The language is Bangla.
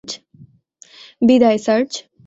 বিদায়, সার্জ।